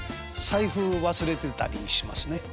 財布忘れてたりしますね。